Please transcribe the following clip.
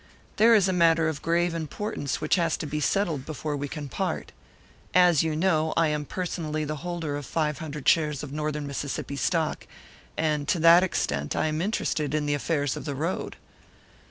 "There is a matter of grave importance which has to be settled before we can part. As you know, I am personally the holder of five hundred shares of Northern Mississippi stock; and to that extent I am interested in the affairs of the road."